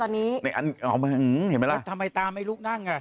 อ๋อแต่ทำไมตามไอ้ลูกนั่ง